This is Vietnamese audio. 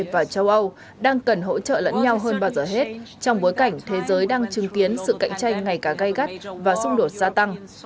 và châu âu đang cần hỗ trợ lẫn nhau hơn bao giờ hết trong bối cảnh thế giới đang chứng kiến sự cạnh tranh ngày càng gây gắt và xung đột gia tăng